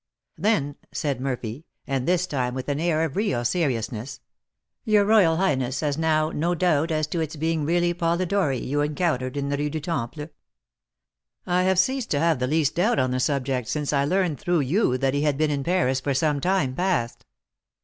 "Then," said Murphy (and this time with an air of real seriousness), "your royal highness has now no doubt as to its being really Polidori you encountered in the Rue du Temple?" "I have ceased to have the least doubt on the subject, since I learned through you that he had been in Paris for some time past."